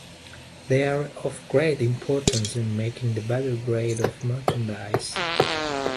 They are of great importance in making the better grade of merchandise.